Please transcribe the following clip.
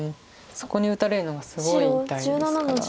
そこに打たれるのがすごい痛いですから。